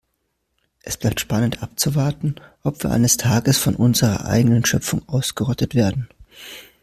Es bleibt spannend abzuwarten, ob wir eines Tages von unserer eigenen Schöpfung ausgerottet werden.